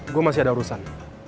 gue masih ada urusan